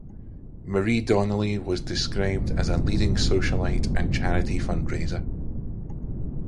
Marie Donnelly was described as a leading socialite and charity fundraiser.